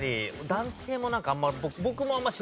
男性もなんかあんまり。